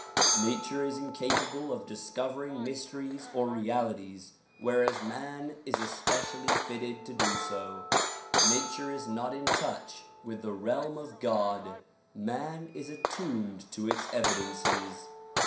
Nature is incapable of discovering mysteries or realities whereas man is especially fitted to do so. Nature is not in touch with the realm of God, man is attuned to its evidences.